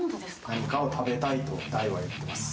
何かを食べたいとＤＩＥは言ってます。